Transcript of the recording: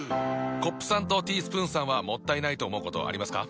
コップさんとティースプーンさんはもったいないと思うことありますか？